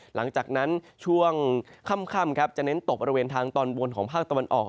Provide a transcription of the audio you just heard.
หลังจากนั้นช่วงค่ำจะเน้นตกบริเวณทางตอนบนของภาคตะวันออก